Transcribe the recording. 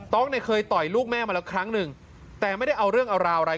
เนี่ยเคยต่อยลูกแม่มาแล้วครั้งหนึ่งแต่ไม่ได้เอาเรื่องเอาราวอะไร